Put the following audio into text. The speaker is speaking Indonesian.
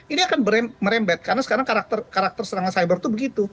ini akan merembet karena sekarang karakter serangan cyber itu begitu